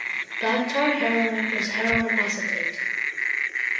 Black tar heroin is heroin acetate.